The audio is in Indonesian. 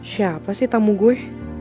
siapa sih tamu gue